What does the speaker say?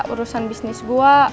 urusan bisnis gue